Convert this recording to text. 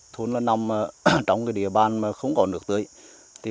thôn nằm trong địa bàn không có nước tưới